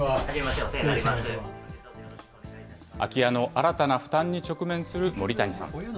新たな負担に直面する森谷さん。